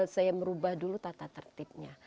saya merubah dulu tata tertibnya